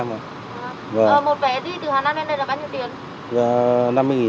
một vé đi từ hà nam lên đây là bao nhiêu tiền